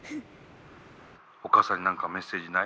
お母さんに何かメッセージない？